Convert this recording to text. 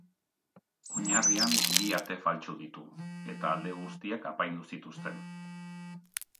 Oinarrian bi ate faltsu ditu eta alde guztiak apaindu zituzten.